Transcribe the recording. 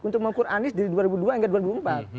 untuk mengukur anies dari dua ribu dua hingga dua ribu empat